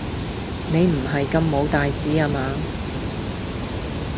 你唔係咁冇大志呀嘛？